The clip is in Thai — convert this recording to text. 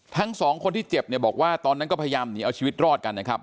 ทั้งสองคนที่เจ็บเนี่ยบอกว่าตอนนั้นก็พยายามหนีเอาชีวิตรอดกันนะครับ